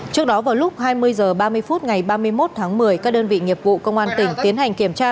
trước đó vào lúc hai mươi h ba mươi phút ngày ba mươi một tháng một mươi các đơn vị nghiệp vụ công an tỉnh tiến hành kiểm tra